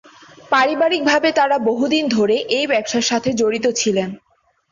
পারিবারিক ভাবে তারা বহুদিন ধরে এই ব্যবসার সাথে জড়িত ছিলেন।